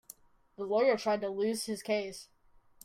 The lawyer tried to lose his case.